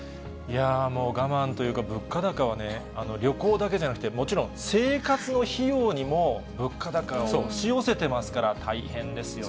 もう、我慢というか、物価高はね、旅行だけじゃなくて、もちろん生活の費用にも、物価高押し寄せてますから、大変ですよね。